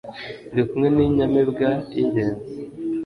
Ndi kumwe n' Inyamibwa y,ingenzi